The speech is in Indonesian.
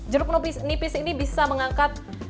jeruk nipis ini bisa mengangkat